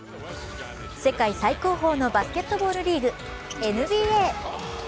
世界最高峰のバスケットボールリーグＮＢＡ。